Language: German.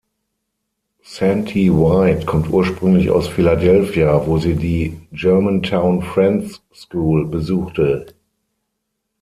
Santi White kommt ursprünglich aus Philadelphia, wo sie die „Germantown Friends School“ besuchte.